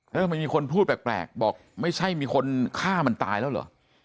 แล้วทำไมมีคนพูดแปลกบอกไม่ใช่มีคนฆ่ามันตายแล้วเหรอ